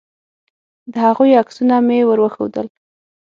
د هغوی عکسونه مې ور وښودل.